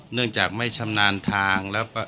เนื่องจากไม่ชำนาญทาง